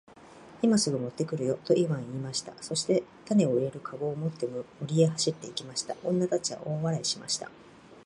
「今すぐ持って来るよ。」とイワンは言いました。そして種を入れる籠を持って森へ走って行きました。女たちは大笑いしました。